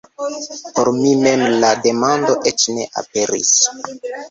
Por mi mem la demando eĉ ne aperis.